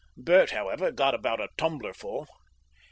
Bert, however, got about a tumblerful.